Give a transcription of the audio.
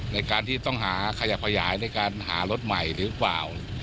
ในการที่ต้องหาขยับขยายในการหารถใหม่หรือเปล่า